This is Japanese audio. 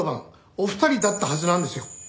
お二人だったはずなんですよ。